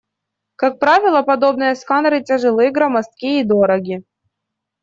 Как правило, подобные сканеры тяжелы, громоздки и дороги.